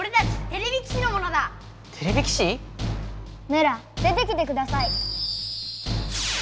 メラ出てきてください。